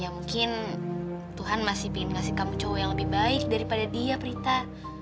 ya mungkin tuhan masih ingin ngasih kamu cowok yang lebih baik daripada dia prita